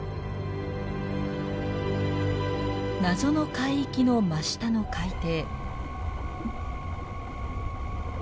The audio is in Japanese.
謎の海域の真下の海底。